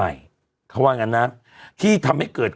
ยาวพันะหัด